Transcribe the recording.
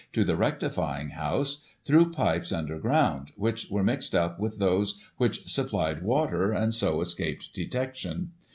261 to the rectifying house, through pipes under ground, which were mixed up with those which supplied water, and so escaped detection.